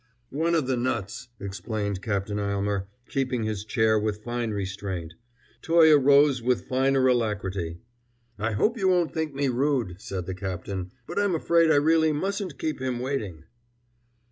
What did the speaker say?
"One of the nuts," explained Captain Aylmer, keeping his chair with fine restraint. Toye rose with finer alacrity. "I hope you won't think me rude," said the captain, "but I'm afraid I really mustn't keep him waiting."